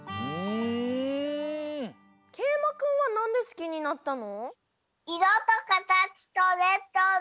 けいまくんはなんですきになったの？